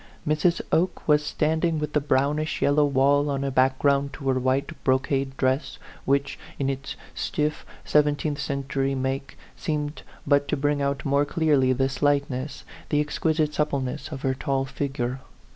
Mrs. Oke was standing with the brownish yellow wall as a background to her white brocade dress, which, in its stiff, seventeenth century make, seemed but to bring out more clearly the slightness, the exquisite supple ness, of her tall figure.